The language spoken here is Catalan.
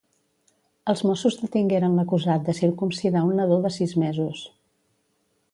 Els mossos detingueren l'acusat de circumcidar un nadó de sis mesos.